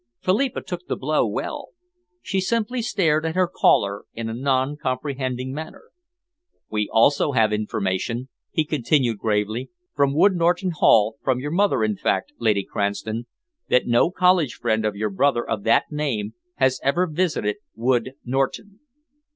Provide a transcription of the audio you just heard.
Philippa took the blow well. She simply stared at her caller in a noncomprehending manner. "We have also information," he continued gravely, "from Wood Norton Hall from your mother, in fact, Lady Cranston that no college friend of your brother, of that name, has ever visited Wood Norton."